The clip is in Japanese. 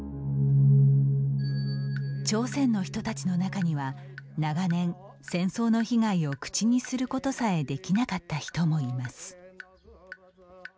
朝鮮の人たちの中には、長年戦争の被害を口にすることさえできなかった人もいます。